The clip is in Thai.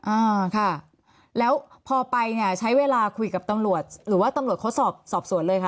อ่าค่ะแล้วพอไปเนี่ยใช้เวลาคุยกับตำรวจหรือว่าตำรวจเขาสอบสอบสวนเลยค่ะ